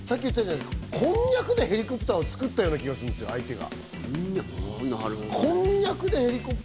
こんにゃくでヘリコプターを造った気がするんですよ、相手が。